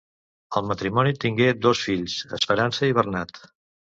El matrimoni tingué dos fills, Esperança i Bernat.